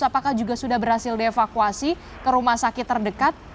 apakah juga sudah berhasil dievakuasi ke rumah sakit terdekat